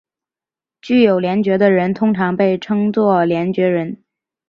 具有联觉的人通常被称作联觉人。